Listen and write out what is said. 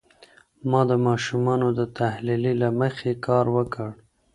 ما د معلوماتو د تحلیلې له مخي کار وکړ.